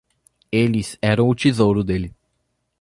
Eles eram o tesouro dele.